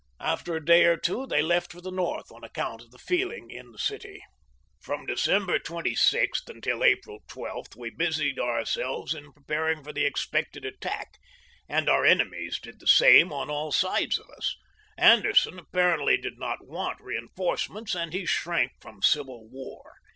After a day or two they left for the North, on account of the feeling in the city. From December 26th until April 12th we busied ourselves in preparing for the expected attack, and our enemies did the same on all sides of us. Ander son apparently did not want reinforcements, and he shrank from civil war.